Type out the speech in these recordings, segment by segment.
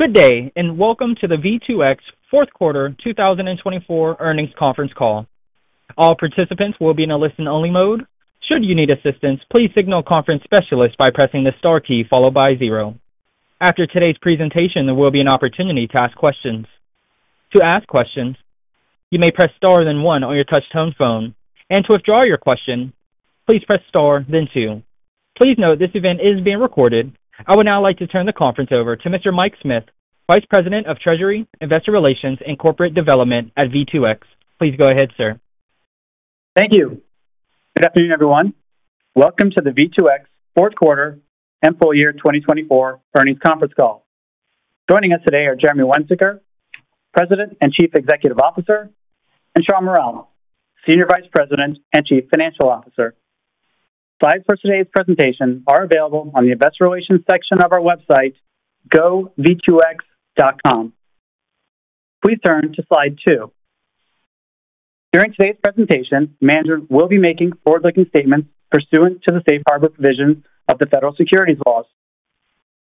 Good day, and welcome to the V2X Fourth Quarter 2024 Earnings Conference Call. All participants will be in a listen-only mode. Should you need assistance, please signal conference specialist by pressing the star key followed by zero. After today's presentation, there will be an opportunity to ask questions. To ask questions, you may press star then one on your touch-tone phone. And to withdraw your question, please press star then two. Please note this event is being recorded. I would now like to turn the conference over to Mr. Mike Smith, Vice President of Treasury, Investor Relations, and Corporate Development at V2X. Please go ahead, sir. Thank you. Good afternoon, everyone. Welcome to the V2X fourth quarter and full year 2024 earnings conference call. Joining us today are Jeremy Wensinger, President and Chief Executive Officer, and Shawn Mural, Senior Vice President and Chief Financial Officer. Slides for today's presentation are available on the Investor Relations section of our website, gov2x.com. Please turn to Slide 2. During today's presentation, management will be making forward-looking statements pursuant to the safe harbor provisions of the federal securities laws.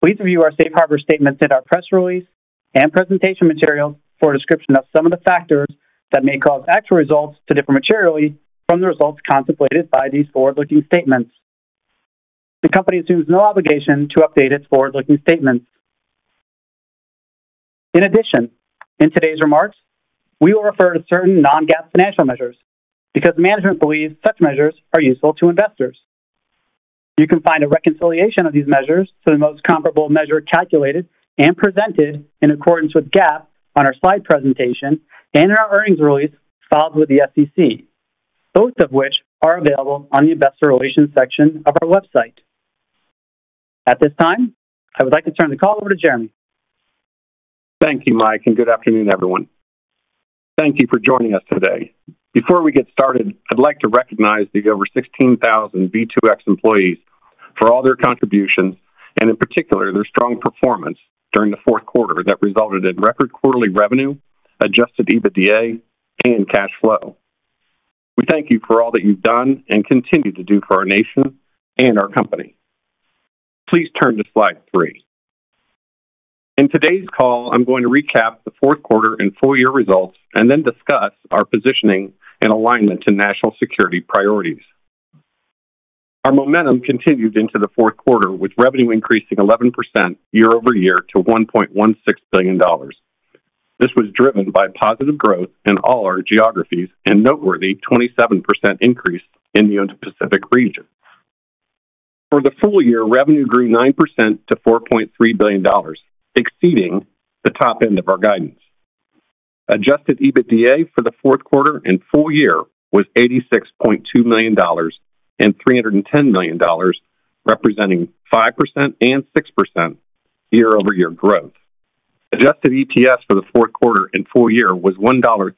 Please review our safe harbor statements in our press release and presentation materials for a description of some of the factors that may cause actual results to differ materially from the results contemplated by these forward-looking statements. The company assumes no obligation to update its forward-looking statements. In addition, in today's remarks, we will refer to certain non-GAAP financial measures because management believes such measures are useful to investors. You can find a reconciliation of these measures to the most comparable measure calculated and presented in accordance with GAAP on our slide presentation and in our earnings release filed with the SEC, both of which are available on the Investor Relations section of our website. At this time, I would like to turn the call over to Jeremy. Thank you, Mike, and good afternoon, everyone. Thank you for joining us today. Before we get started, I'd like to recognize the over 16,000 V2X employees for all their contributions and, in particular, their strong performance during the fourth quarter that resulted in record quarterly revenue, Adjusted EBITDA, and cash flow. We thank you for all that you've done and continue to do for our nation and our company. Please turn to Slide 3. In today's call, I'm going to recap the fourth quarter and full year results and then discuss our positioning in alignment to national security priorities. Our momentum continued into the fourth quarter with revenue increasing 11% year-over-year to $1.16 billion. This was driven by positive growth in all our geographies and a noteworthy 27% increase in the Indo-Pacific region. For the full year, revenue grew 9% to $4.3 billion, exceeding the top end of our guidance. Adjusted EBITDA for the fourth quarter and full year was $86.2 million and $310 million, representing 5% and 6% year-over-year growth. Adjusted EPS for the fourth quarter and full year was $1.33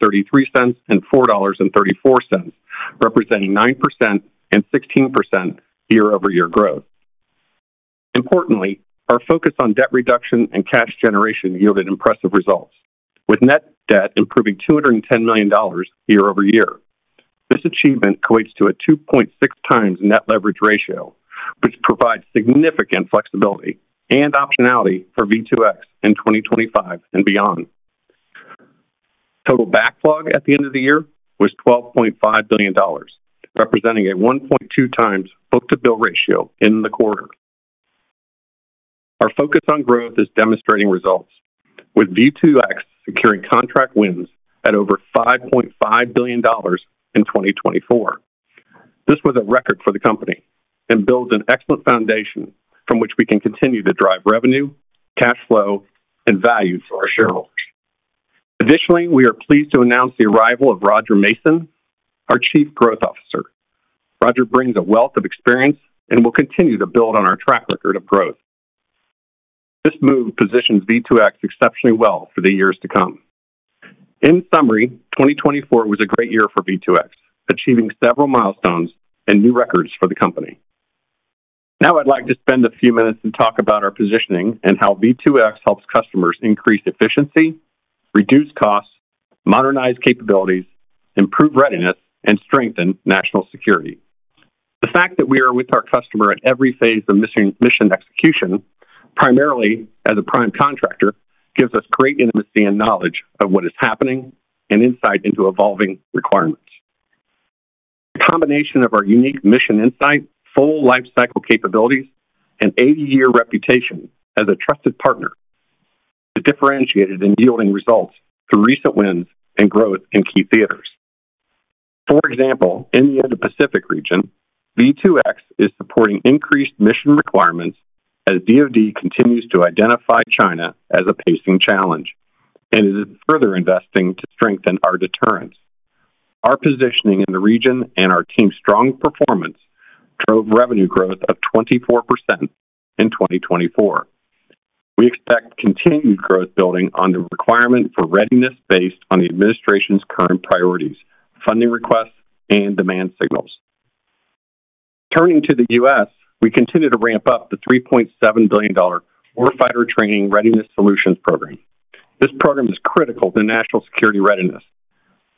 and $4.34, representing 9% and 16% year-over-year growth. Importantly, our focus on debt reduction and cash generation yielded impressive results, with net debt improving $210 million year-over-year. This achievement equates to a 2.6x net leverage ratio, which provides significant flexibility and optionality for V2X in 2025 and beyond. Total backlog at the end of the year was $12.5 billion, representing a 1.2x book-to-bill ratio in the quarter. Our focus on growth is demonstrating results, with V2X securing contract wins at over $5.5 billion in 2024. This was a record for the company and builds an excellent foundation from which we can continue to drive revenue, cash flow, and value for our shareholders. Additionally, we are pleased to announce the arrival of Roger Mason, our Chief Growth Officer. Roger brings a wealth of experience and will continue to build on our track record of growth. This move positions V2X exceptionally well for the years to come. In summary, 2024 was a great year for V2X, achieving several milestones and new records for the company. Now, I'd like to spend a few minutes and talk about our positioning and how V2X helps customers increase efficiency, reduce costs, modernize capabilities, improve readiness, and strengthen national security. The fact that we are with our customer at every phase of mission execution, primarily as a prime contractor, gives us great intimacy and knowledge of what is happening and insight into evolving requirements. The combination of our unique mission insight, full lifecycle capabilities, and 80-year reputation as a trusted partner has differentiated in yielding results through recent wins and growth in key theaters. For example, in the Indo-Pacific region, V2X is supporting increased mission requirements as DoD continues to identify China as a pacing challenge and is further investing to strengthen our deterrence. Our positioning in the region and our team's strong performance drove revenue growth of 24% in 2024. We expect continued growth building on the requirement for readiness based on the administration's current priorities, funding requests, and demand signals. Turning to the U.S., we continue to ramp up the $3.7 billion Warfighter Training Readiness Solutions program. This program is critical to national security readiness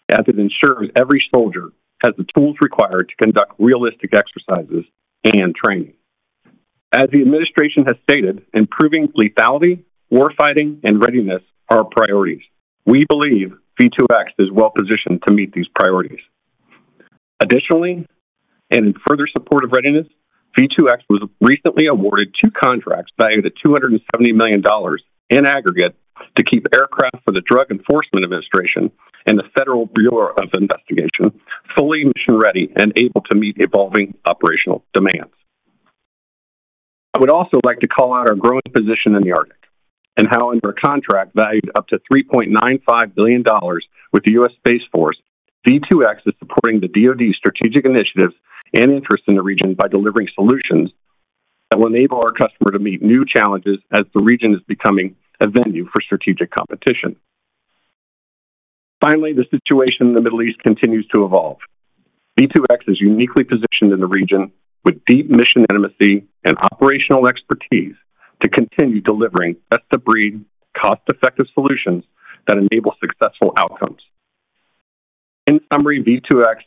as it ensures every soldier has the tools required to conduct realistic exercises and training. As the administration has stated, improving lethality, warfighting, and readiness are our priorities. We believe V2X is well-positioned to meet these priorities. Additionally, and in further support of readiness, V2X was recently awarded two contracts valued at $270 million in aggregate to keep aircraft for the Drug Enforcement Administration and the Federal Bureau of Investigation fully mission-ready and able to meet evolving operational demands. I would also like to call out our growing position in the Arctic and how, under a contract valued up to $3.95 billion with the U.S. Space Force, V2X is supporting the DoD's strategic initiatives and interests in the region by delivering solutions that will enable our customer to meet new challenges as the region is becoming a venue for strategic competition. Finally, the situation in the Middle East continues to evolve. V2X is uniquely positioned in the region with deep mission intimacy and operational expertise to continue delivering best-of-breed, cost-effective solutions that enable successful outcomes. In summary, V2X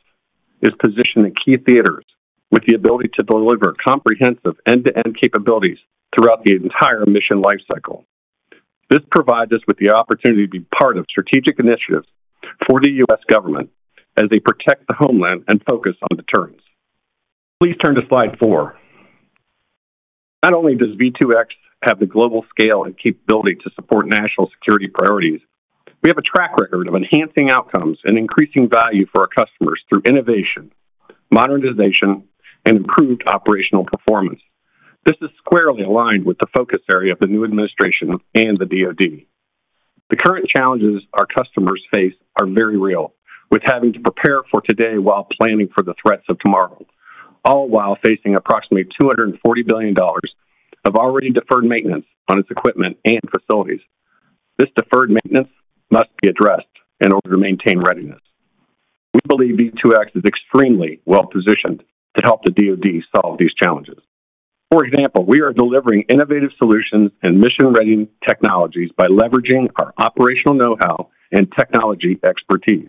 is positioned in key theaters with the ability to deliver comprehensive end-to-end capabilities throughout the entire mission lifecycle. This provides us with the opportunity to be part of strategic initiatives for the U.S. government as they protect the homeland and focus on deterrence. Please turn to Slide 4. Not only does V2X have the global scale and capability to support national security priorities, we have a track record of enhancing outcomes and increasing value for our customers through innovation, modernization, and improved operational performance. This is squarely aligned with the focus area of the new administration and the DoD. The current challenges our customers face are very real, with having to prepare for today while planning for the threats of tomorrow, all while facing approximately $240 billion of already deferred maintenance on its equipment and facilities. This deferred maintenance must be addressed in order to maintain readiness. We believe V2X is extremely well-positioned to help the DoD solve these challenges. For example, we are delivering innovative solutions and mission-ready technologies by leveraging our operational know-how and technology expertise.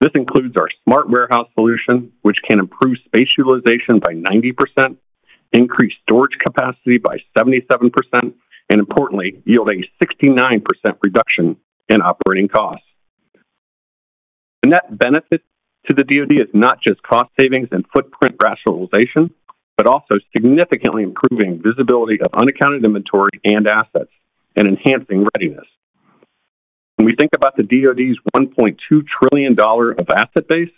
This includes our Smart Warehouse solution, which can improve space utilization by 90%, increase storage capacity by 77%, and importantly, yield a 69% reduction in operating costs. The net benefit to the DoD is not just cost savings and footprint rationalization, but also significantly improving visibility of unaccounted inventory and assets and enhancing readiness. When we think about the DoD's $1.2 trillion of asset base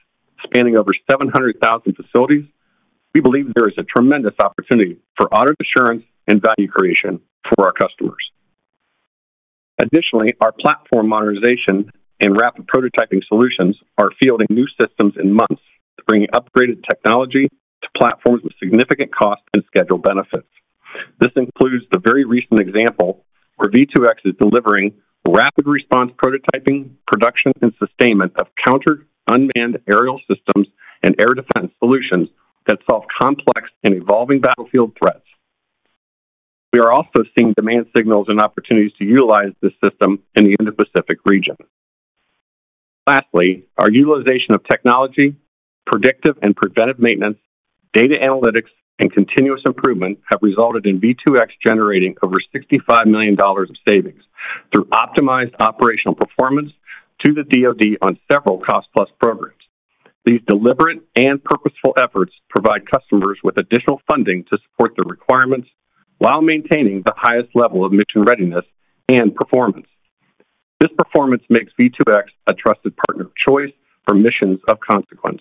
spanning over 700,000 facilities, we believe there is a tremendous opportunity for audit assurance and value creation for our customers. Additionally, our platform modernization and rapid prototyping solutions are fielding new systems in months, bringing upgraded technology to platforms with significant cost and schedule benefits. This includes the very recent example where V2X is delivering rapid response prototyping, production, and sustainment of counter-unmanned aerial systems and air defense solutions that solve complex and evolving battlefield threats. We are also seeing demand signals and opportunities to utilize this system in the Indo-Pacific region. Lastly, our utilization of technology, predictive and preventive maintenance, data analytics, and continuous improvement have resulted in V2X generating over $65 million of savings through optimized operational performance to the DoD on several cost-plus programs. These deliberate and purposeful efforts provide customers with additional funding to support their requirements while maintaining the highest level of mission readiness and performance. This performance makes V2X a trusted partner of choice for missions of consequence.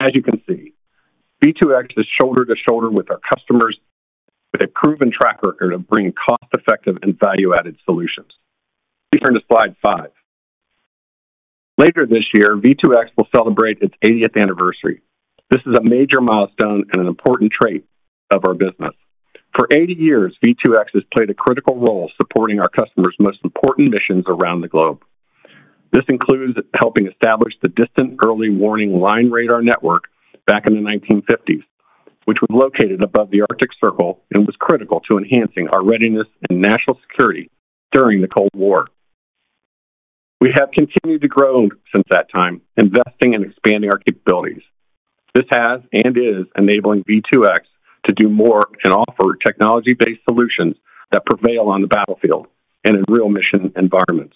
As you can see, V2X is shoulder-to-shoulder with our customers, with a proven track record of bringing cost-effective and value-added solutions. Please turn to Slide 5. Later this year, V2X will celebrate its 80th anniversary. This is a major milestone and an important trait of our business. For 80 years, V2X has played a critical role supporting our customers' most important missions around the globe. This includes helping establish the Distant Early Warning Line radar network back in the 1950s, which was located above the Arctic Circle and was critical to enhancing our readiness and national security during the Cold War. We have continued to grow since that time, investing and expanding our capabilities. This has and is enabling V2X to do more and offer technology-based solutions that prevail on the battlefield and in real mission environments.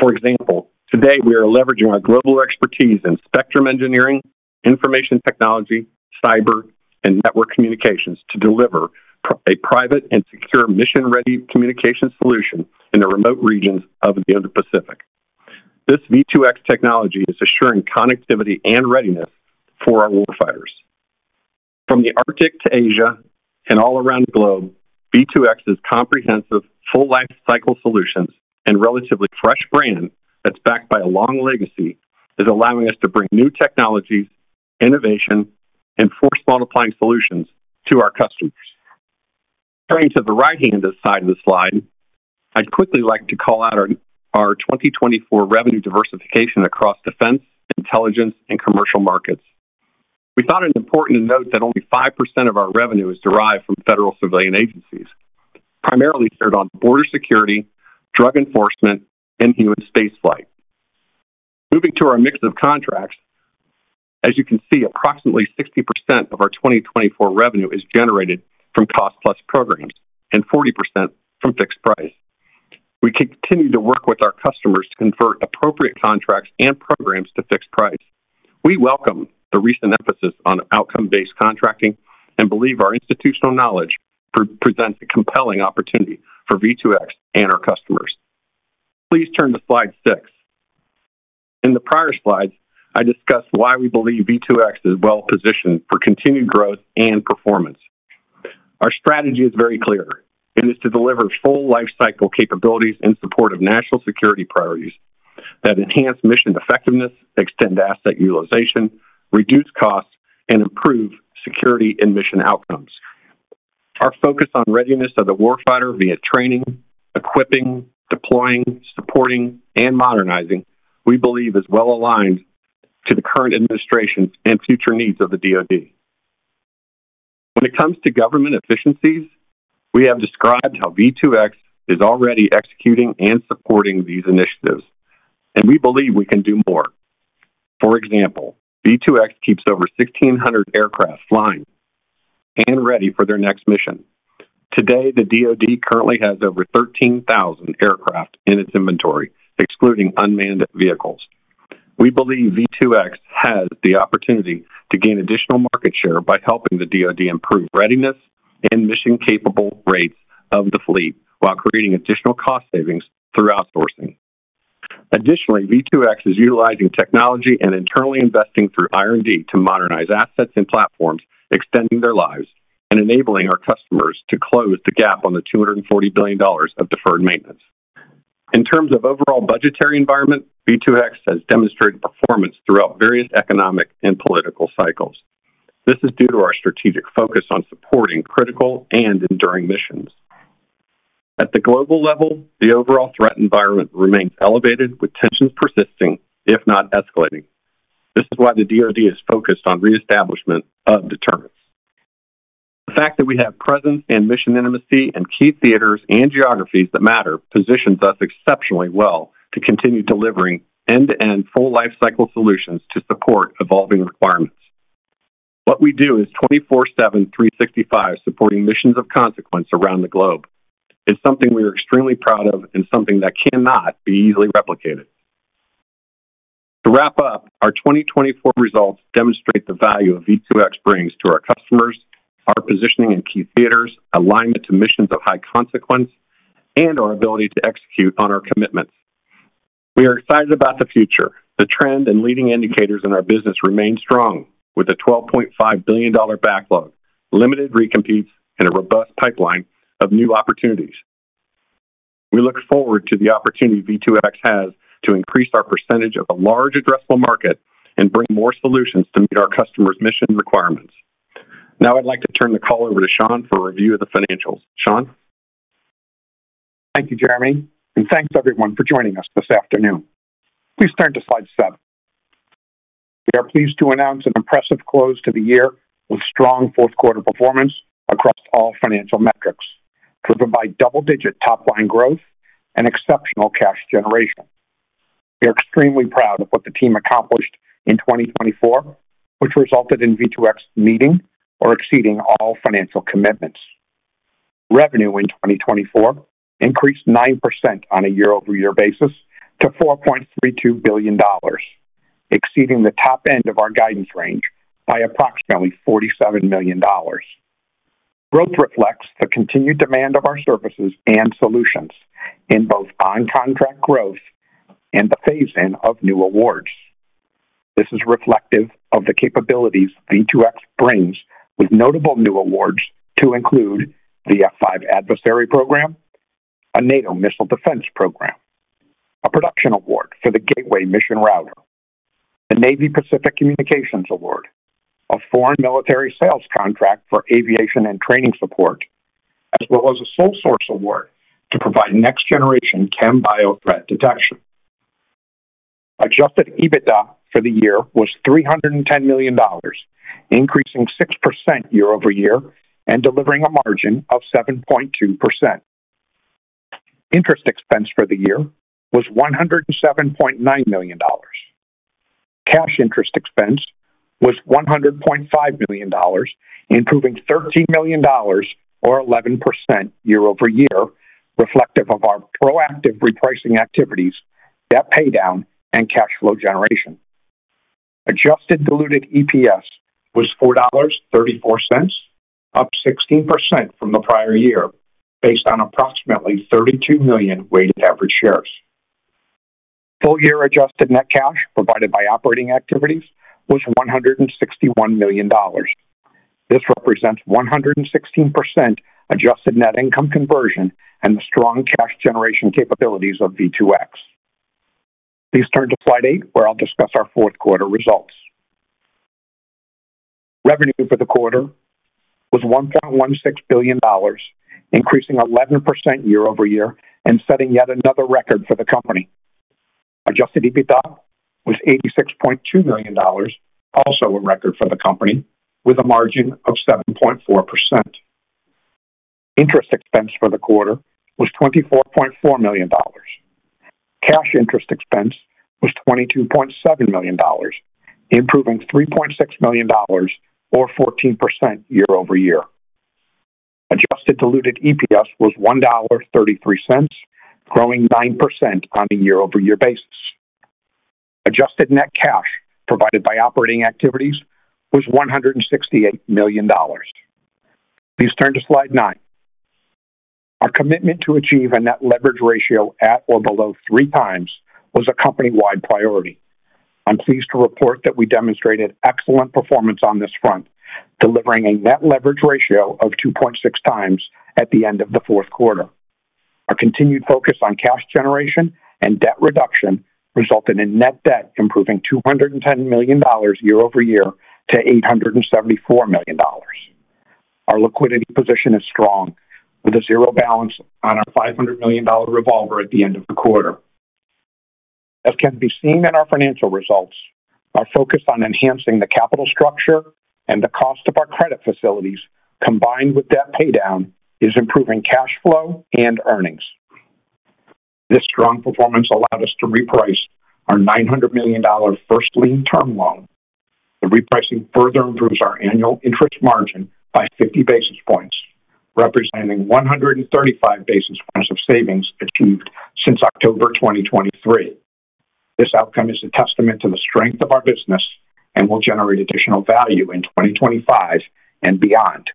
For example, today we are leveraging our global expertise in spectrum engineering, information technology, cyber, and network communications to deliver a private and secure mission-ready communication solution in the remote regions of the Indo-Pacific. This V2X technology is assuring connectivity and readiness for our warfighters. From the Arctic to Asia and all around the globe, V2X's comprehensive full lifecycle solutions and relatively fresh brand that's backed by a long legacy is allowing us to bring new technologies, innovation, and force-modifying solutions to our customers. Turning to the right-hand side of the slide, I'd quickly like to call out our 2024 revenue diversification across defense, intelligence, and commercial markets. We thought it important to note that only 5% of our revenue is derived from federal civilian agencies, primarily centered on border security, drug enforcement, and human space flight. Moving to our mix of contracts, as you can see, approximately 60% of our 2024 revenue is generated from cost-plus programs and 40% from fixed price. We continue to work with our customers to convert appropriate contracts and programs to fixed price. We welcome the recent emphasis on outcome-based contracting and believe our institutional knowledge presents a compelling opportunity for V2X and our customers. Please turn to Slide 6. In the prior slides, I discussed why we believe V2X is well-positioned for continued growth and performance. Our strategy is very clear. It is to deliver full lifecycle capabilities in support of national security priorities that enhance mission effectiveness, extend asset utilization, reduce costs, and improve security and mission outcomes. Our focus on readiness of the warfighter via training, equipping, deploying, supporting, and modernizing we believe is well-aligned to the current administration's and future needs of the DoD. When it comes to government efficiencies, we have described how V2X is already executing and supporting these initiatives, and we believe we can do more. For example, V2X keeps over 1,600 aircraft flying and ready for their next mission. Today, the DoD currently has over 13,000 aircraft in its inventory, excluding unmanned vehicles. We believe V2X has the opportunity to gain additional market share by helping the DoD improve readiness and mission-capable rates of the fleet while creating additional cost savings through outsourcing. Additionally, V2X is utilizing technology and internally investing through R&D to modernize assets and platforms, extending their lives and enabling our customers to close the gap on the $240 billion of deferred maintenance. In terms of overall budgetary environment, V2X has demonstrated performance throughout various economic and political cycles. This is due to our strategic focus on supporting critical and enduring missions. At the global level, the overall threat environment remains elevated, with tensions persisting, if not escalating. This is why the DoD is focused on reestablishment of deterrence. The fact that we have presence and mission intimacy and key theaters and geographies that matter positions us exceptionally well to continue delivering end-to-end full lifecycle solutions to support evolving requirements. What we do is 24/7, 365, supporting missions of consequence around the globe. It's something we are extremely proud of and something that cannot be easily replicated. To wrap up, our 2024 results demonstrate the value of V2X brings to our customers, our positioning in key theaters, alignment to missions of high consequence, and our ability to execute on our commitments. We are excited about the future. The trend and leading indicators in our business remain strong with a $12.5 billion backlog, limited recompetes, and a robust pipeline of new opportunities. We look forward to the opportunity V2X has to increase our percentage of a large addressable market and bring more solutions to meet our customers' mission requirements. Now, I'd like to turn the call over to Shawn for a review of the financials. Shawn. Thank you, Jeremy, and thanks everyone for joining us this afternoon. Please turn to Slide 7. We are pleased to announce an impressive close to the year with strong fourth-quarter performance across all financial metrics, driven by double-digit top-line growth and exceptional cash generation. We are extremely proud of what the team accomplished in 2024, which resulted in V2X meeting or exceeding all financial commitments. Revenue in 2024 increased 9% on a year-over-year basis to $4.32 billion, exceeding the top end of our guidance range by approximately $47 million. The growth reflects the continued demand of our services and solutions in both on-contract growth and the phasing of new awards. This is reflective of the capabilities V2X brings with notable new awards to include the F-5 Adversary Program, a NATO Missile Defense Program, a production award for the Gateway Mission Router, a Navy Pacific Communications Award, a Foreign Military Sales contract for aviation and training support, as well as a sole source award to provide next-generation chem-bio threat detection. Adjusted EBITDA for the year was $310 million, increasing 6% year-over-year and delivering a margin of 7.2%. Interest expense for the year was $107.9 million. Cash interest expense was $100.5 million, improving $13 million, or 11% year-over-year, reflective of our proactive repricing activities, debt paydown, and cash flow generation. Adjusted diluted EPS was $4.34, up 16% from the prior year based on approximately 32 million weighted average shares. Full-year adjusted net cash provided by operating activities was $161 million. This represents 116% adjusted net income conversion and the strong cash generation capabilities of V2X. Please turn to Slide 8, where I'll discuss our fourth-quarter results. Revenue for the quarter was $1.16 billion, increasing 11% year-over-year and setting yet another record for the company. Adjusted EBITDA was $86.2 million, also a record for the company, with a margin of 7.4%. Interest expense for the quarter was $24.4 million. Cash interest expense was $22.7 million, improving $3.6 million, or 14% year-over-year. Adjusted diluted EPS was $1.33, growing 9% on a year-over-year basis. Adjusted net cash provided by operating activities was $168 million. Please turn to Slide 9. Our commitment to achieve a net leverage ratio at or below three times was a company-wide priority. I'm pleased to report that we demonstrated excellent performance on this front, delivering a net leverage ratio of 2.6 times at the end of the fourth quarter. Our continued focus on cash generation and debt reduction resulted in net debt improving $210 million year-over-year to $874 million. Our liquidity position is strong, with a zero balance on our $500 million revolver at the end of the quarter. As can be seen in our financial results, our focus on enhancing the capital structure and the cost of our credit facilities, combined with debt paydown, is improving cash flow and earnings. This strong performance allowed us to reprice our $900 million first lien term loan. The repricing further improves our annual interest margin by 50 basis points, representing 135 basis points of savings achieved since October 2023. This outcome is a testament to the strength of our business and will generate additional value in 2025 and beyond.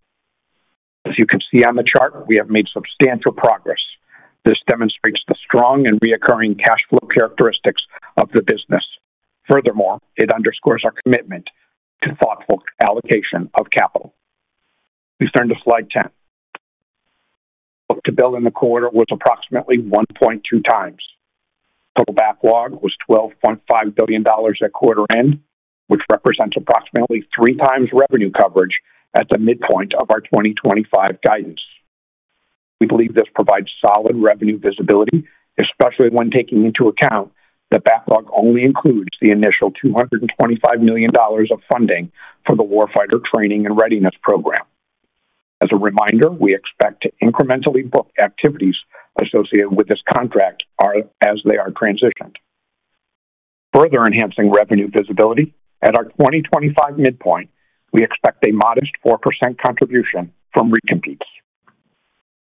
As you can see on the chart, we have made substantial progress. This demonstrates the strong and recurring cash flow characteristics of the business. Furthermore, it underscores our commitment to thoughtful allocation of capital. Please turn to Slide 10. The book-to-bill in the quarter was approximately 1.2x. Total backlog was $12.5 billion at quarter end, which represents approximately three times revenue coverage at the midpoint of our 2025 guidance. We believe this provides solid revenue visibility, especially when taking into account that backlog only includes the initial $225 million of funding for the Warfighter Training and Readiness program. As a reminder, we expect to incrementally book activities associated with this contract as they are transitioned. Further enhancing revenue visibility, at our 2025 midpoint, we expect a modest 4% contribution from recompetes.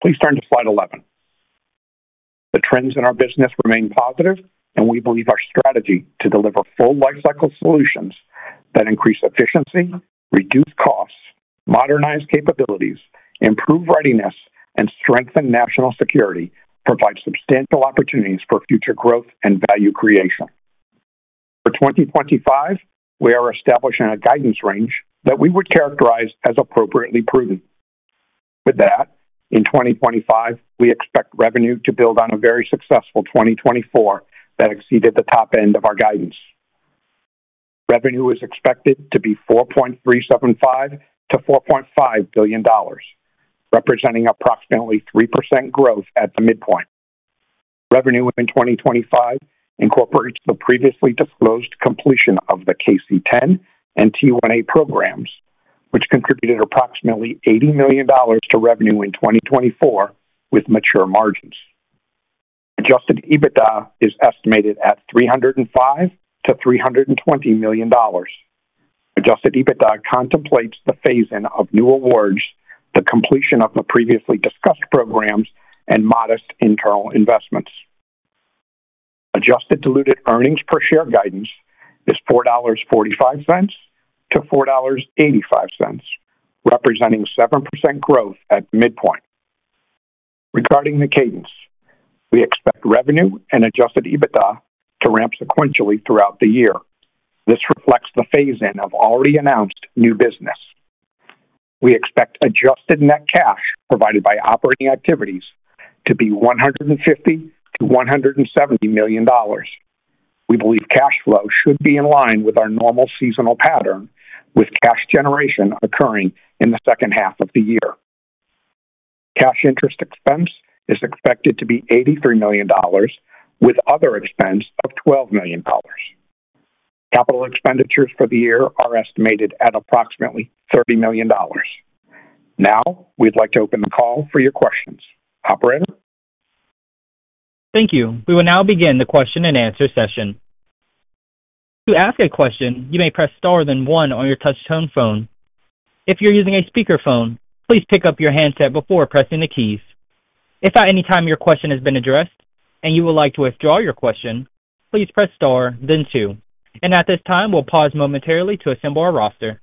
Please turn to Slide 11. The trends in our business remain positive, and we believe our strategy to deliver full lifecycle solutions that increase efficiency, reduce costs, modernize capabilities, improve readiness, and strengthen national security provides substantial opportunities for future growth and value creation. For 2025, we are establishing a guidance range that we would characterize as appropriately prudent. With that, in 2025, we expect revenue to build on a very successful 2024 that exceeded the top end of our guidance. Revenue is expected to be $4.375-$4.5 billion, representing approximately 3% growth at the midpoint. Revenue in 2025 incorporates the previously disclosed completion of the KC-10 and T-1A programs, which contributed approximately $80 million to revenue in 2024 with mature margins. Adjusted EBITDA is estimated at $305-$320 million. Adjusted EBITDA contemplates the phasing of new awards, the completion of the previously discussed programs, and modest internal investments. Adjusted diluted earnings per share guidance is $4.45-$4.85, representing 7% growth at midpoint. Regarding the cadence, we expect revenue and adjusted EBITDA to ramp sequentially throughout the year. This reflects the phasing of already announced new business. We expect adjusted net cash provided by operating activities to be $150-$170 million. We believe cash flow should be in line with our normal seasonal pattern, with cash generation occurring in the second half of the year. Cash interest expense is expected to be $83 million, with other expense of $12 million. Capital expenditures for the year are estimated at approximately $30 million. Now, we'd like to open the call for your questions. Operator. Thank you. We will now begin the question and answer session. To ask a question, you may press star then one on your touch-tone phone. If you're using a speakerphone, please pick up your handset before pressing the keys. If at any time your question has been addressed and you would like to withdraw your question, please press star then two. And at this time, we'll pause momentarily to assemble our roster.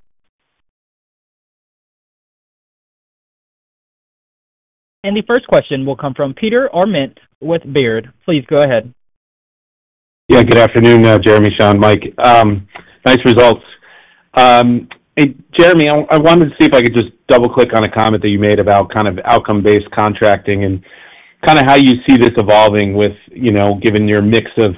And the first question will come from Peter Arment with Baird. Please go ahead. Yeah, good afternoon, Jeremy, Shawn, Mike. Nice results. Jeremy, I wanted to see if I could just double-click on a comment that you made about kind of outcome-based contracting and kind of how you see this evolving with, given your mix of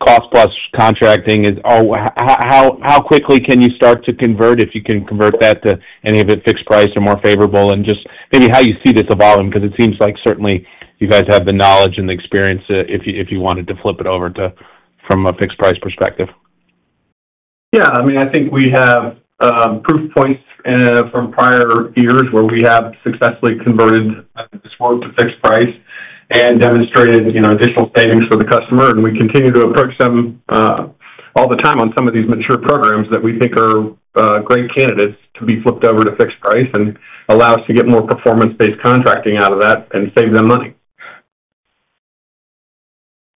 cost-plus contracting. How quickly can you start to convert if you can convert that to any of it fixed price or more favorable? And just maybe how you see this evolving, because it seems like certainly you guys have the knowledge and the experience if you wanted to flip it over from a fixed price perspective. Yeah. I mean, I think we have proof points from prior years where we have successfully converted this work to fixed price and demonstrated additional savings for the customer. And we continue to approach them all the time on some of these mature programs that we think are great candidates to be flipped over to fixed price and allow us to get more performance-based contracting out of that and save them money.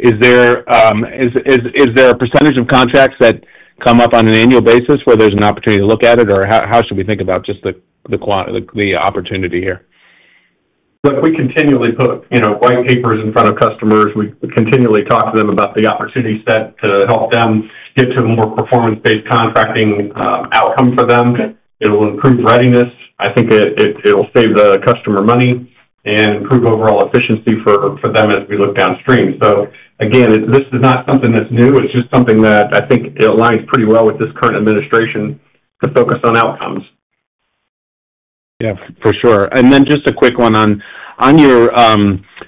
Is there a percentage of contracts that come up on an annual basis where there's an opportunity to look at it, or how should we think about just the opportunity here? Look, we continually put white papers in front of customers. We continually talk to them about the opportunity set to help them get to a more performance-based contracting outcome for them. It will improve readiness. I think it'll save the customer money and improve overall efficiency for them as we look downstream. So again, this is not something that's new. It's just something that I think aligns pretty well with this current administration to focus on outcomes. Yeah, for sure. And then just a quick one on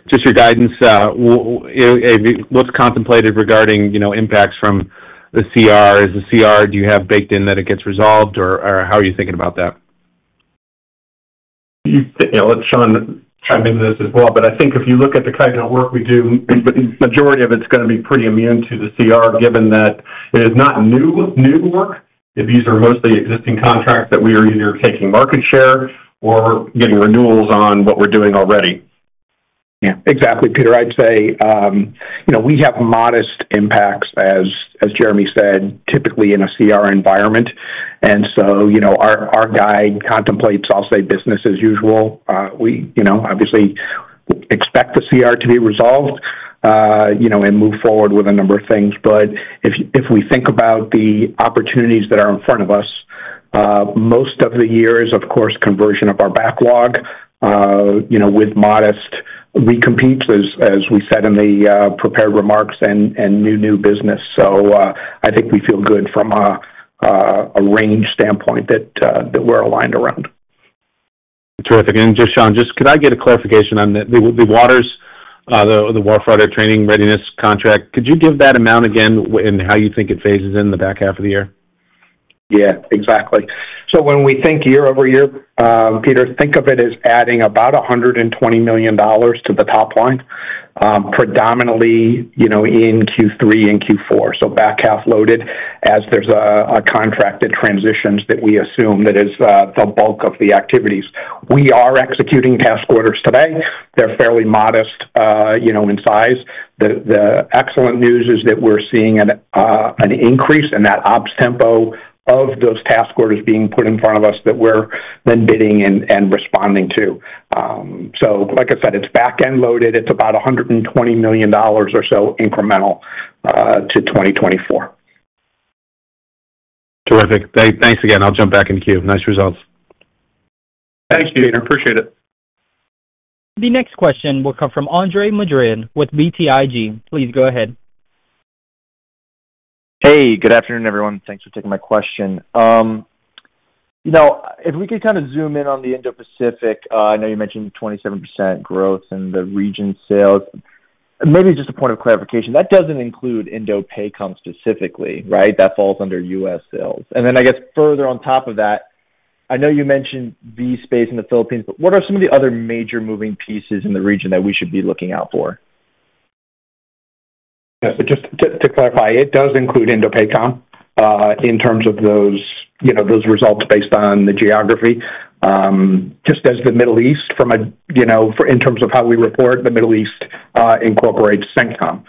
just your guidance. What's contemplated regarding impacts from the CR? Is the CR, do you have baked in that it gets resolved, or how are you thinking about that? Shawn chimed into this as well, but I think if you look at the kind of work we do, the majority of it's going to be pretty immune to the CR, given that it is not new work. These are mostly existing contracts that we are either taking market share or getting renewals on what we're doing already. Yeah, exactly, Peter. I'd say we have modest impacts, as Jeremy said, typically in a CR environment. And so our guide contemplates, I'll say, business as usual. We obviously expect the CR to be resolved and move forward with a number of things. But if we think about the opportunities that are in front of us, most of the year is, of course, conversion of our backlog with modest recompetes, as we said in the prepared remarks, and new business. So I think we feel good from a range standpoint that we're aligned around. Terrific. And just, Shawn, could I get a clarification on the WTRS, the Warfighter Training Readiness contract? Could you give that amount again and how you think it phases in the back half of the year? Yeah, exactly. So when we think year-over-year, Peter, think of it as adding about $120 million to the top line, predominantly in Q3 and Q4. So back half loaded as there's a contract that transitions that we assume that is the bulk of the activities. We are executing task orders today. They're fairly modest in size. The excellent news is that we're seeing an increase in that ops tempo of those task orders being put in front of us that we're then bidding and responding to. So like I said, it's back end loaded. It's about $120 million or so incremental to 2024. Terrific. Thanks again. I'll jump back into queue. Nice results. Thank you, Peter. Appreciate it. The next question will come from Andre Madrid with BTIG. Please go ahead. Hey, good afternoon, everyone. Thanks for taking my question. If we could kind of zoom in on the Indo-Pacific, I know you mentioned 27% growth in the region sales. Maybe just a point of clarification. That doesn't include INDOPACOM specifically, right? That falls under U.S. sales. And then I guess further on top of that, I know you mentioned V-SPACE in the Philippines, but what are some of the other major moving pieces in the region that we should be looking out for? Just to clarify, it does include INDOPACOM in terms of those results based on the geography. Just as the Middle East, in terms of how we report, the Middle East incorporates CENTCOM.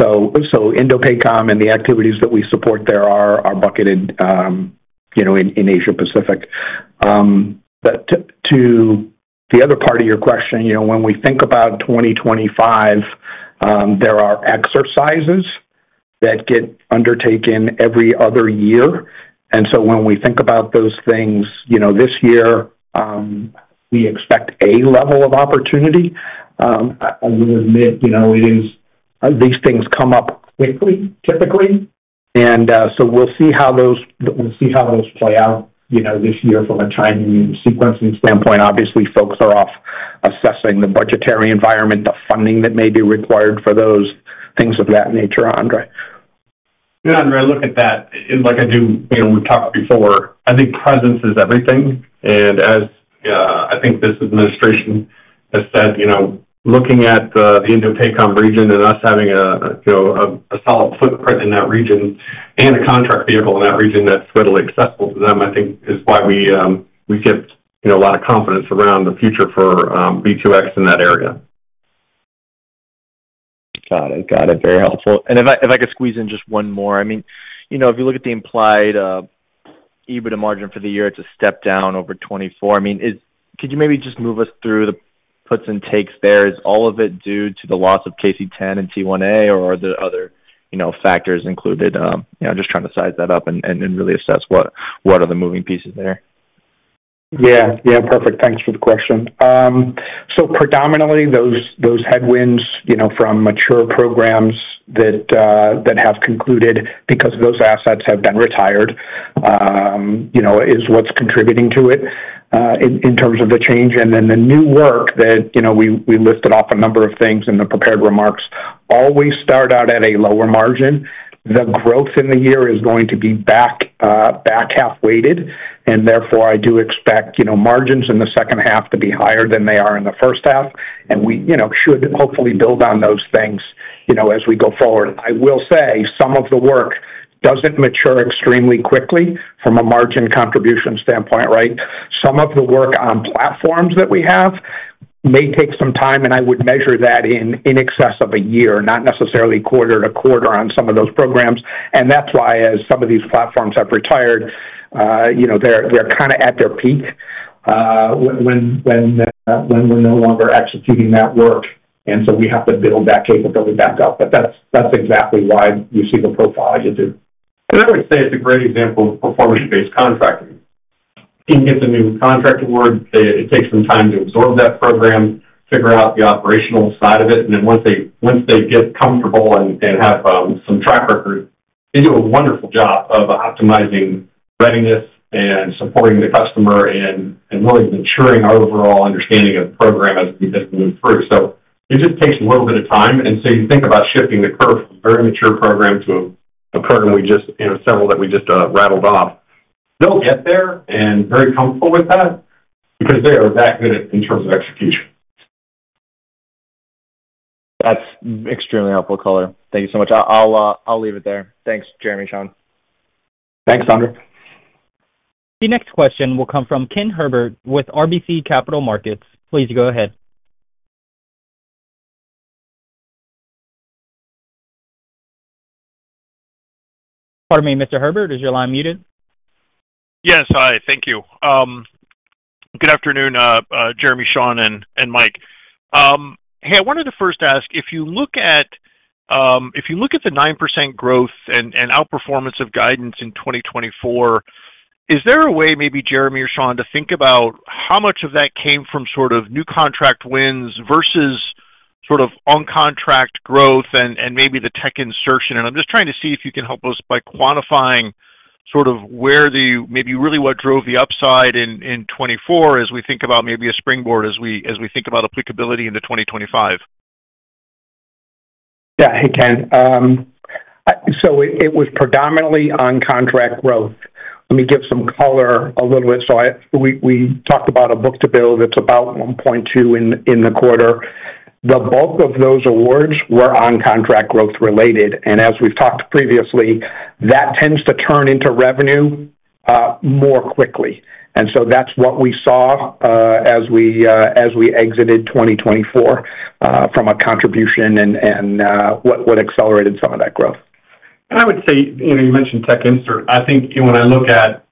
So INDOPACOM and the activities that we support there are bucketed in Asia Pacific. But to the other part of your question, when we think about 2025, there are exercises that get undertaken every other year. And so when we think about those things this year, we expect a level of opportunity. I will admit, these things come up quickly, typically. And so we'll see how those play out this year from a timing and sequencing standpoint. Obviously, folks are off assessing the budgetary environment, the funding that may be required for those things of that nature, Andre. Yeah, Andre, I look at that. And like I do, we talked before, I think presence is everything. And as I think this administration has said, looking at the INDOPACOM region and us having a solid footprint in that region and a contract vehicle in that region that's readily accessible to them, I think is why we get a lot of confidence around the future for V2X in that area. Got it. Got it. Very helpful. And if I could squeeze in just one more, I mean, if you look at the implied EBITDA margin for the year, it's a step down over 2024. I mean, could you maybe just move us through the puts and takes there? Is all of it due to the loss of KC-10 and T-1A, or are there other factors included? I'm just trying to size that up and really assess what are the moving pieces there. Yeah. Yeah, perfect. Thanks for the question. So predominantly, those headwinds from mature programs that have concluded because those assets have been retired is what's contributing to it in terms of the change. And then the new work that we listed off a number of things in the prepared remarks always start out at a lower margin. The growth in the year is going to be back half weighted. And therefore, I do expect margins in the second half to be higher than they are in the first half. And we should hopefully build on those things as we go forward. I will say some of the work doesn't mature extremely quickly from a margin contribution standpoint, right? Some of the work on platforms that we have may take some time, and I would measure that in excess of a year, not necessarily quarter to quarter on some of those programs, and that's why, as some of these platforms have retired, they're kind of at their peak when we're no longer executing that work, and so we have to build that capability back up, but that's exactly why we see the profile you do. And I would say it's a great example of performance-based contracting. You can get the new contract award. It takes some time to absorb that program, figure out the operational side of it. Then once they get comfortable and have some track record, they do a wonderful job of optimizing readiness and supporting the customer and really ensuring our overall understanding of the program as we move through. It just takes a little bit of time. You think about shifting the curve from a very mature program to several that we just rattled off. They will get there and be very comfortable with that because they are that good in terms of execution. That is extremely helpful color. Thank you so much. I will leave it there. Thanks, Jeremy, Shawn. Thanks, Andre. The next question will come from Ken Herbert with RBC Capital Markets. Please go ahead. Pardon me, Mr. Herbert, is your line muted? Yes, hi. Thank you. Good afternoon, Jeremy, Shawn, and Mike. Hey, I wanted to first ask, if you look at the 9% growth and outperformance of guidance in 2024, is there a way, maybe, Jeremy or Shawn, to think about how much of that came from sort of new contract wins versus sort of on-contract growth and maybe the tech insertion? And I'm just trying to see if you can help us by quantifying sort of where the maybe really what drove the upside in 2024 as we think about maybe a springboard as we think about applicability into 2025. Yeah, hey Ken. So it was predominantly on-contract growth. Let me give some color a little bit. So we talked about a book-to-bill that's about 1.2 in the quarter. The bulk of those awards were on-contract growth related. And as we've talked previously, that tends to turn into revenue more quickly. So that's what we saw as we exited 2024 from a contribution and what accelerated some of that growth. I would say you mentioned tech insert. I think when I look at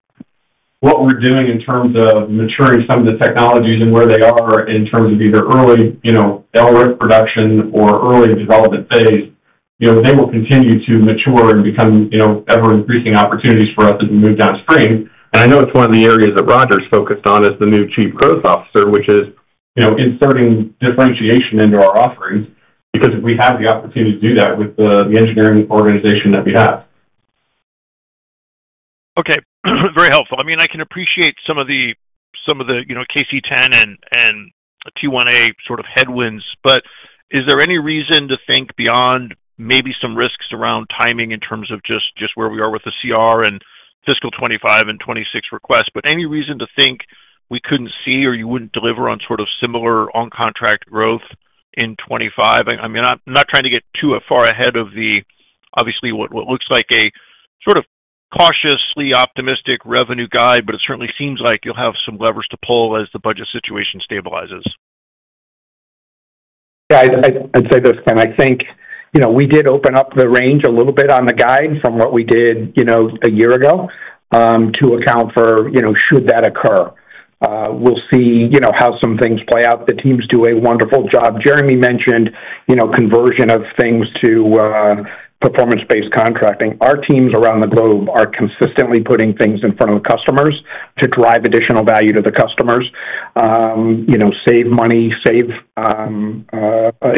what we're doing in terms of maturing some of the technologies and where they are in terms of either early LRIP production or early development phase, they will continue to mature and become ever-increasing opportunities for us as we move downstream. I know it's one of the areas that Roger is focused on, as the new Chief Growth Officer, which is inserting differentiation into our offerings because we have the opportunity to do that with the engineering organization that we have. Okay. Very helpful. I mean, I can appreciate some of the KC-10 and T-1A sort of headwinds, but is there any reason to think beyond maybe some risks around timing in terms of just where we are with the CR and fiscal 2025 and 2026 requests, but any reason to think we couldn't see or you wouldn't deliver on sort of similar on-contract growth in 2025? I mean, I'm not trying to get too far ahead of the, obviously, what looks like a sort of cautiously optimistic revenue guide, but it certainly seems like you'll have some levers to pull as the budget situation stabilizes. Yeah, I'd say this, Ken. I think we did open up the range a little bit on the guide from what we did a year ago to account for should that occur. We'll see how some things play out. The teams do a wonderful job. Jeremy mentioned conversion of things to performance-based contracting. Our teams around the globe are consistently putting things in front of the customers to drive additional value to the customers, save money,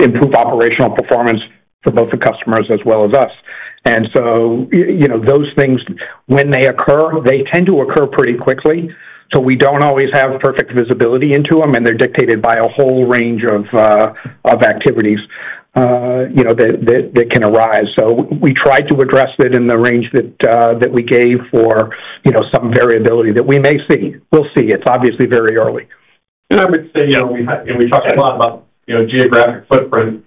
improve operational performance for both the customers as well as us. And so those things, when they occur, they tend to occur pretty quickly. So we don't always have perfect visibility into them, and they're dictated by a whole range of activities that can arise. So we tried to address it in the range that we gave for some variability that we may see. We'll see. It's obviously very early. And I would say we talked a lot about geographic footprint.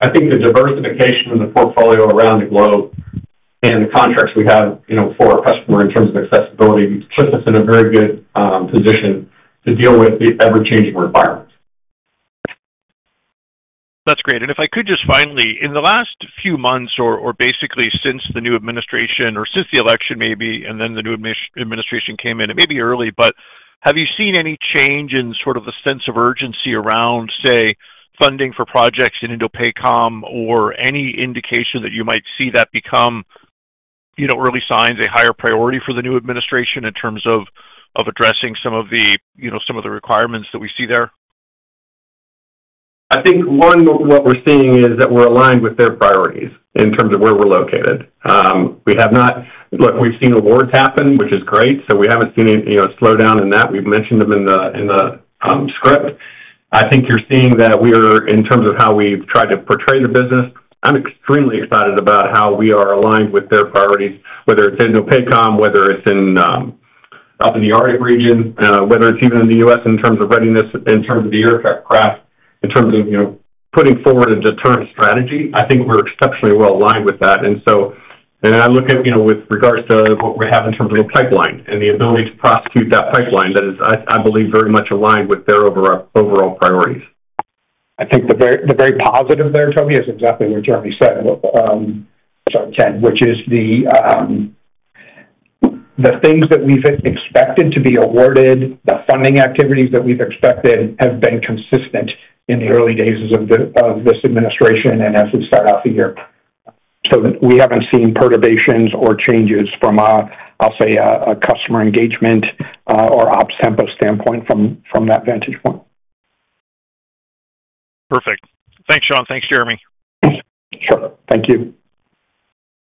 I think the diversification of the portfolio around the globe and the contracts we have for our customer in terms of accessibility puts us in a very good position to deal with the ever-changing requirements. That's great. If I could just finally, in the last few months or basically since the new administration or since the election maybe, and then the new administration came in, it may be early, but have you seen any change in sort of the sense of urgency around, say, funding for projects in INDOPACOM or any indication that you might see that become early signs, a higher priority for the new administration in terms of addressing some of the requirements that we see there? I think one of what we're seeing is that we're aligned with their priorities in terms of where we're located. We have not. Look, we've seen awards happen, which is great. We haven't seen any slowdown in that. We've mentioned them in the script. I think you're seeing that we are, in terms of how we've tried to portray the business, I'm extremely excited about how we are aligned with their priorities, whether it's INDOPACOM, whether it's up in the Arctic region, whether it's even in the U.S. in terms of readiness, in terms of the aircraft, in terms of putting forward a deterrent strategy. I think we're exceptionally well aligned with that and I look at with regards to what we have in terms of a pipeline and the ability to prosecute that pipeline that is, I believe, very much aligned with their overall priorities. I think the very positive there, to be exactly what Jeremy said, which is the things that we've expected to be awarded, the funding activities that we've expected have been consistent in the early days of this administration and as we start off the year. We haven't seen perturbations or changes from, I'll say, a customer engagement or ops tempo standpoint from that vantage point. Perfect. Thanks, Shawn. Thanks, Jeremy. Sure. Thank you.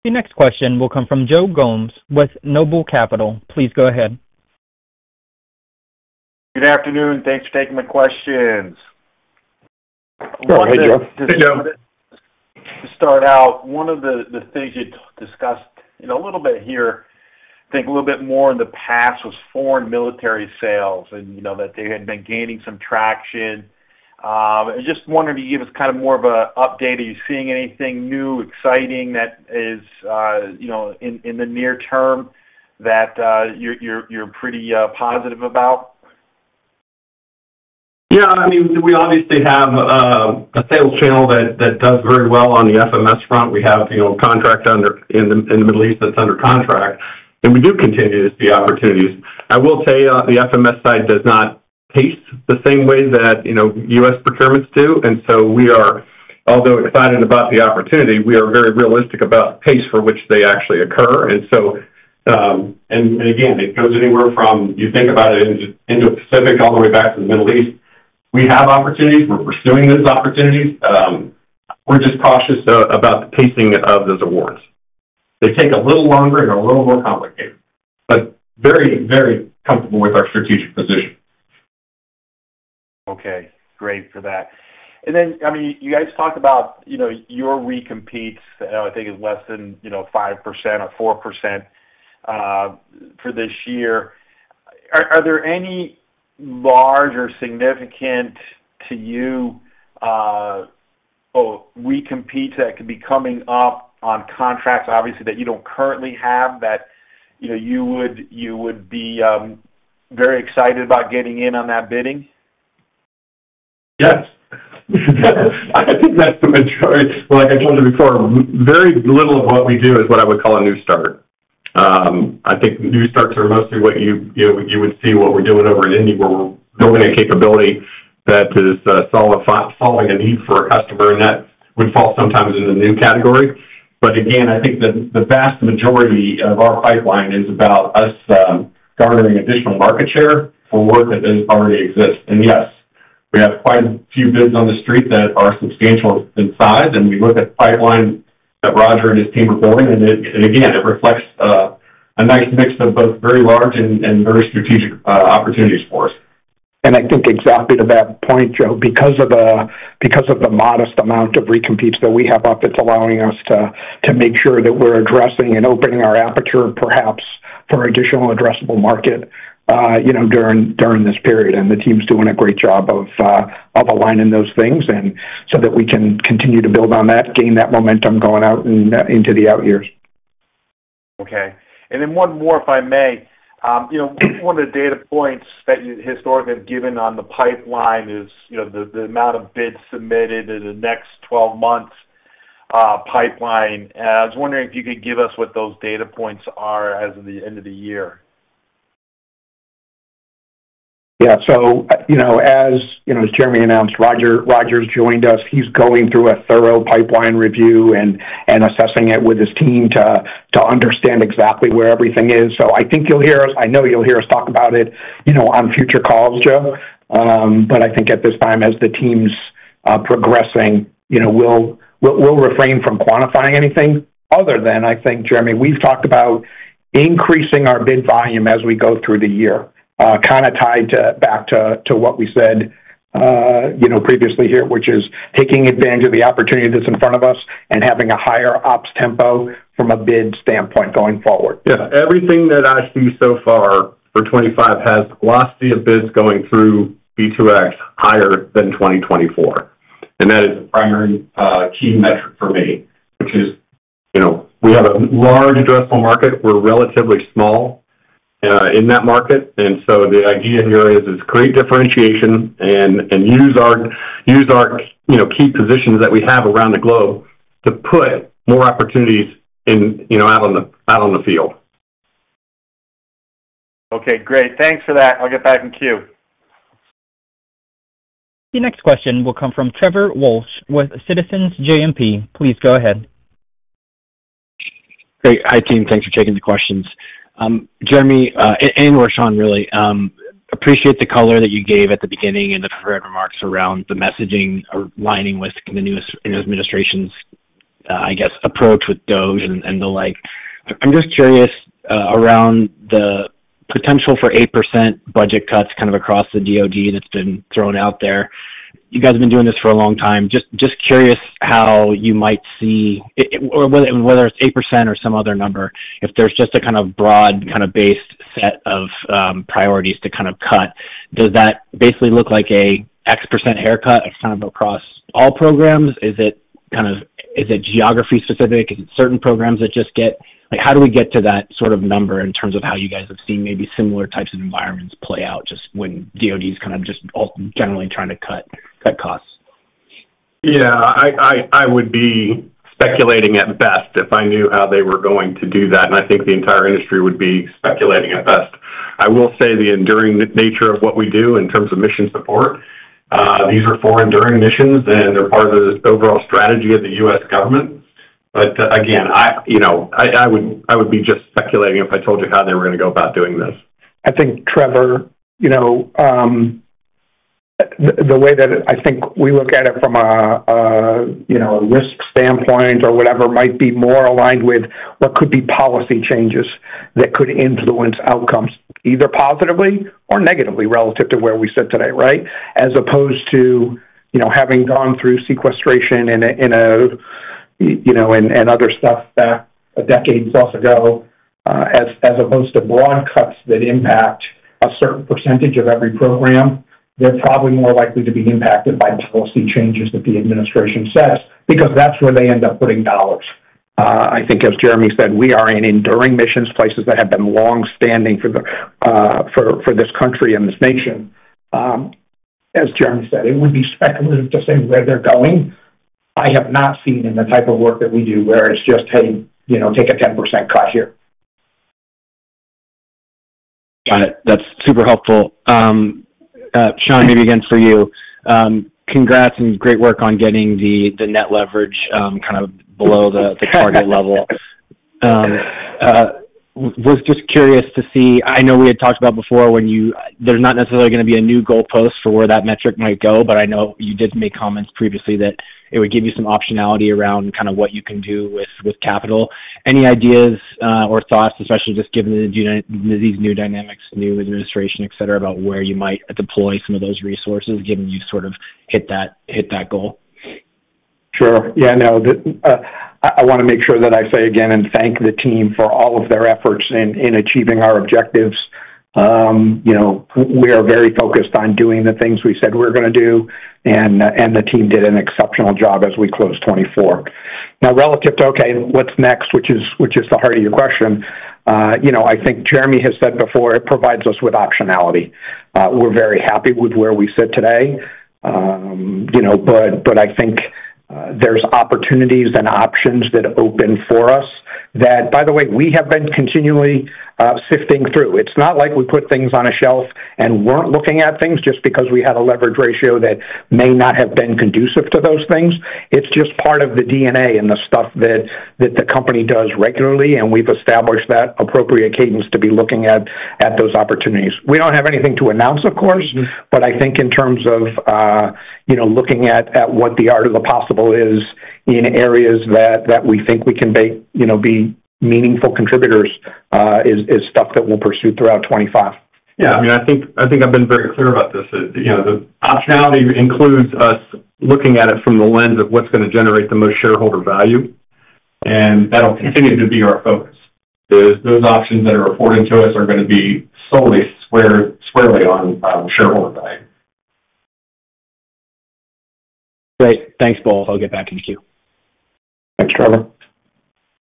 The next question will come from Joe Gomes with NOBLE Capital. Please go ahead. Good afternoon. Thanks for taking my questions. Well, hey, Joe. Hey, Joe. To start out, one of the things you discussed a little bit here, I think a little bit more in the past was Foreign Military Sales and that they had been gaining some traction. I just wanted to give us kind of more of an update. Are you seeing anything new, exciting that is in the near term that you're pretty positive about? Yeah. I mean, we obviously have a sales channel that does very well on the FMS front. We have a contract in the Middle East that's under contract. We do continue to see opportunities. I will tell you, the FMS side does not pace the same way that U.S. procurements do. We are, although excited about the opportunity, very realistic about the pace for which they actually occur. Again, it goes anywhere from you think about it in the Pacific all the way back to the Middle East. We have opportunities. We're pursuing those opportunities. We're just cautious about the pacing of those awards. They take a little longer and are a little more complicated, but very, very comfortable with our strategic position. Okay. Great for that. I mean, you guys talked about your recompetes. I think it's less than 5% or 4% for this year. Are there any large or significant to you recompetes that could be coming up on contracts, obviously, that you don't currently have that you would be very excited about getting in on that bidding? Yes. I think that's the majority. Like I told you before, very little of what we do is what I would call a new start. I think new starts are mostly what you would see what we're doing over in India, where we're building a capability that is solving a need for a customer, and that would fall sometimes in the new category. But again, I think the vast majority of our pipeline is about us garnering additional market share for work that doesn't already exist, and yes, we have quite a few bids on the street that are substantial in size, and we look at the pipeline that Roger and his team are building. And again, it reflects a nice mix of both very large and very strategic opportunities for us. And I think exactly to that point, Joe, because of the modest amount of recompetes that we have up, it's allowing us to make sure that we're addressing and opening our aperture perhaps for additional addressable market during this period. And the team's doing a great job of aligning those things so that we can continue to build on that, gain that momentum going out into the out years. Okay. And then one more, if I may. One of the data points that you historically have given on the pipeline is the amount of bids submitted in the next 12 months pipeline. I was wondering if you could give us what those data points are as of the end of the year. Yeah. So as Jeremy announced, Roger's joined us. He's going through a thorough pipeline review and assessing it with his team to understand exactly where everything is. So I think you'll hear us. I know you'll hear us talk about it on future calls, Joe. But I think at this time, as the team's progressing, we'll refrain from quantifying anything other than, I think, Jeremy, we've talked about increasing our bid volume as we go through the year, kind of tied back to what we said previously here, which is taking advantage of the opportunity that's in front of us and having a higher ops tempo from a bid standpoint going forward. Yeah. Everything that I've seen so far for 2025 has the velocity of bids going through V2X higher than 2024. And that is the primary key metric for me, which is we have a large addressable market. We're relatively small in that market. And so the idea here is to create differentiation and use our key positions that we have around the globe to put more opportunities out on the field. Okay. Great. Thanks for that. I'll get back in queue. The next question will come from Trevor Walsh with Citizens JMP. Please go ahead. Great. Hi, team. Thanks for taking the questions. Jeremy and/or Shawn, really appreciate the color that you gave at the beginning and the prepared remarks around the messaging aligning with the current administration's, I guess, approach with DOGE and the like. I'm just curious around the potential for 8% budget cuts kind of across the DoD that's been thrown out there. You guys have been doing this for a long time. Just curious how you might see whether it's 8% or some other number. If there's just a kind of broad kind of base set of priorities to kind of cut, does that basically look like an X% haircut kind of across all programs? Is it kind of geography specific? Is it certain programs that just get how do we get to that sort of number in terms of how you guys have seen maybe similar types of environments play out just when DoD is kind of just generally trying to cut costs? Yeah. I would be speculating at best if I knew how they were going to do that. And I think the entire industry would be speculating at best. I will say the enduring nature of what we do in terms of mission support, these are foreign enduring missions, and they're part of the overall strategy of the U.S. government. But again, I would be just speculating if I told you how they were going to go about doing this. I think, Trevor, the way that I think we look at it from a risk standpoint or whatever might be more aligned with what could be policy changes that could influence outcomes either positively or negatively relative to where we sit today, right, as opposed to having gone through sequestration and other stuff a decade plus ago as opposed to broad cuts that impact a certain percentage of every program. They're probably more likely to be impacted by policy changes that the administration sets because that's where they end up putting dollars. I think, as Jeremy said, we are in enduring missions, places that have been long-standing for this country and this nation. As Jeremy said, it would be speculative to say where they're going. I have not seen in the type of work that we do where it's just, "Hey, take a 10% cut here." Got it. That's super helpful. Shawn, maybe again for you, congrats and great work on getting the net leverage kind of below the target level. Was just curious to see. I know we had talked about before when there's not necessarily going to be a new goalpost for where that metric might go, but I know you did make comments previously that it would give you some optionality around kind of what you can do with capital. Any ideas or thoughts, especially just given these new dynamics, new administration, etc., about where you might deploy some of those resources given you sort of hit that goal? Sure. Yeah. No, I want to make sure that I say again and thank the team for all of their efforts in achieving our objectives. We are very focused on doing the things we said we were going to do, and the team did an exceptional job as we closed 2024. Now, relative to, okay, what's next, which is the heart of your question, I think Jeremy has said before, it provides us with optionality. We're very happy with where we sit today. But I think there's opportunities and options that open for us that, by the way, we have been continually sifting through. It's not like we put things on a shelf and weren't looking at things just because we had a leverage ratio that may not have been conducive to those things. It's just part of the DNA and the stuff that the company does regularly, and we've established that appropriate cadence to be looking at those opportunities. We don't have anything to announce, of course, but I think in terms of looking at what the art of the possible is in areas that we think we can be meaningful contributors is stuff that we'll pursue throughout 2025. Yeah. I mean, I think I've been very clear about this. The optionality includes us looking at it from the lens of what's going to generate the most shareholder value, and that'll continue to be our focus. Those options that are afforded to us are going to be solely squarely on shareholder value. Great. Thanks, Paul. I'll get back in queue. Thanks, Trevor.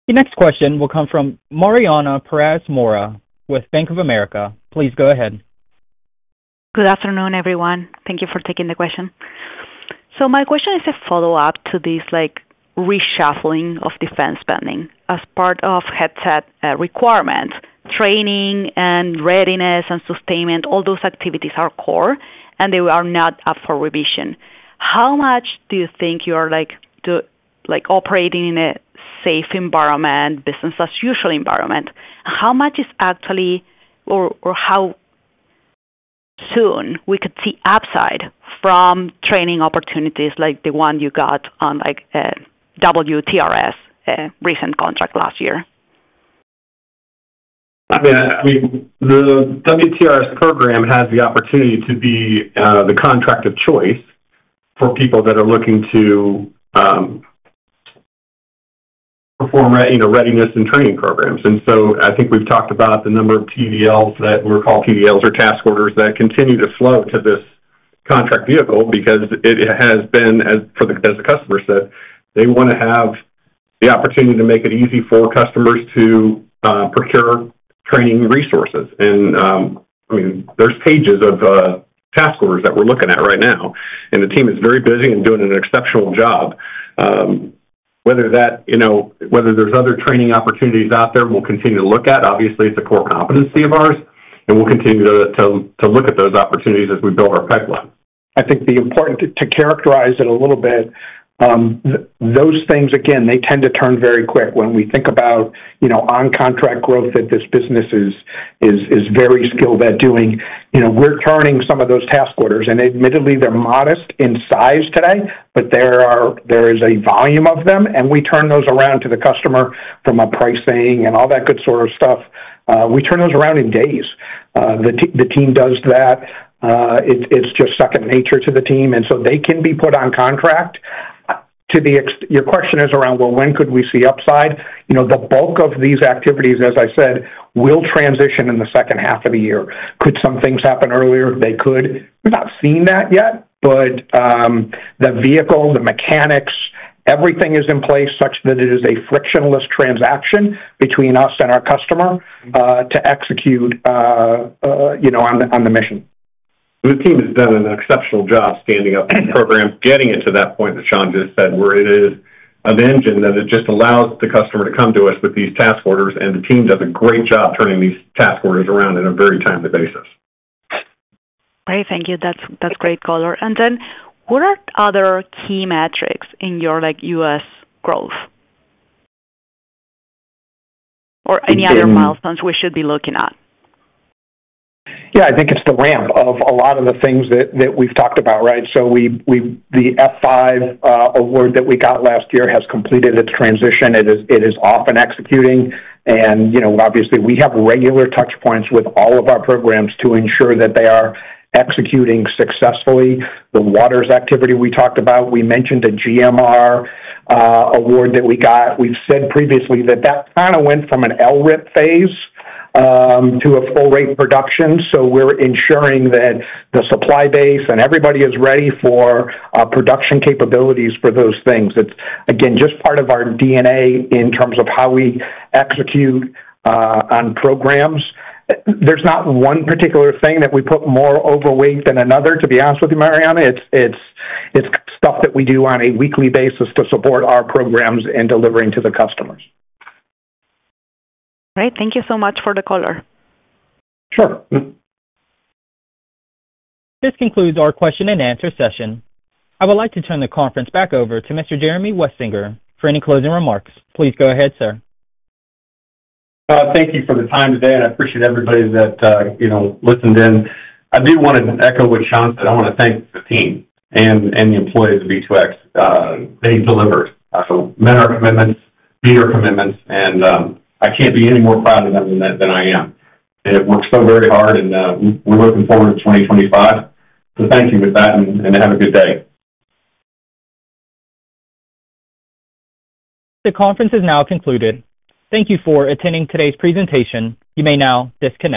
The next question will come from Mariana Pérez Mora with Bank of America. Please go ahead. Good afternoon, everyone. Thank you for taking the question. So my question is a follow-up to this reshuffling of defense spending. As part of budget requirements, training and readiness and sustainment, all those activities are core, and they are not up for revision. How much do you think you are operating in a safe environment, business-as-usual environment? How much is actually or how soon we could see upside from training opportunities like the one you got on WTRS recent contract last year? I mean, the WTRS program has the opportunity to be the contract of choice for people that are looking to perform readiness and training programs. And so I think we've talked about the number of PDLs that we're called PDLs or task orders that continue to flow to this contract vehicle because it has been, as the customer said, they want to have the opportunity to make it easy for customers to procure training resources. And I mean, there's pages of task orders that we're looking at right now, and the team is very busy and doing an exceptional job. Whether there's other training opportunities out there, we'll continue to look at. Obviously, it's a core competency of ours, and we'll continue to look at those opportunities as we build our pipeline. I think it's important to characterize it a little bit, those things, again, they tend to turn very quick. When we think about on-contract growth that this business is very skilled at doing, we're turning some of those task orders, and admittedly, they're modest in size today, but there is a volume of them, and we turn those around to the customer from a pricing and all that good sort of stuff. We turn those around in days. The team does that. It's just second nature to the team. And so they can be put on contract. Your question is around, well, when could we see upside? The bulk of these activities, as I said, will transition in the second half of the year. Could some things happen earlier? They could. We've not seen that yet, but the vehicle, the mechanics, everything is in place such that it is a frictionless transaction between us and our customer to execute on the mission. The team has done an exceptional job standing up the program, getting it to that point that Shawn just said, where it's off and running that it just allows the customer to come to us with these task orders, and the team does a great job turning these task orders around on a very timely basis. Great. Thank you. That's great color. And then what are other key metrics in your U.S. growth or any other milestones we should be looking at? Yeah. I think it's the ramp of a lot of the things that we've talked about, right? So the F-5 award that we got last year has completed its transition. It is off and executing. And obviously, we have regular touchpoints with all of our programs to ensure that they are executing successfully. The waters activity we talked about, we mentioned a GMR award that we got. We've said previously that that kind of went from an LRIP phase to a full-rate production. So we're ensuring that the supply base and everybody is ready for production capabilities for those things. It's, again, just part of our DNA in terms of how we execute on programs. There's not one particular thing that we put more overweight than another, to be honest with you, Mariana. It's stuff that we do on a weekly basis to support our programs and delivering to the customers. Great. Thank you so much for the color. Sure. This concludes our question and answer session. I would like to turn the conference back over to Mr. Jeremy Wensinger for any closing remarks. Please go ahead, sir. Thank you for the time today, and I appreciate everybody that listened in. I do want to echo what Shawn said. I want to thank the team and the employees of V2X. They delivered. Met our commitments, met our commitments, and I can't be any more proud of them than I am. They have worked so very hard, and we're looking forward to 2025, so thank you with that, and have a good day. The conference is now concluded. Thank you for attending today's presentation. You may now disconnect.